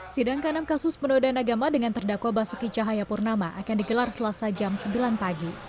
sidang ke enam kasus penodaan agama dengan terdakwa basuki cahayapurnama akan digelar selasa jam sembilan pagi